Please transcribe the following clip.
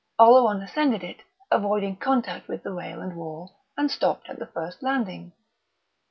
Oleron ascended it, avoiding contact with the rail and wall, and stopped at the first landing.